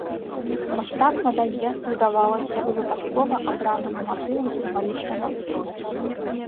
Мастак надае здавалася б выпадкова абранаму матыву сімвалічны настрой.